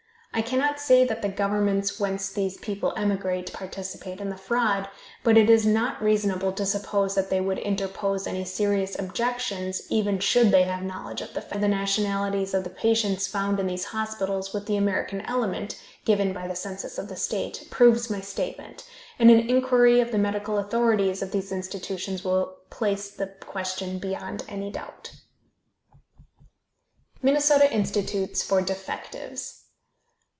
I cannot say that the governments whence these people emigrate participate in the fraud, but it is not reasonable to suppose that they would interpose any serious objections even should they have knowledge of the fact. A comparison of the nationalities of the patients found in these hospitals with the American element, given by the census of the state, proves my statement, and an inquiry of the medical authorities of these institutions will place the question beyond doubt. MINNESOTA INSTITUTES FOR DEFECTIVES.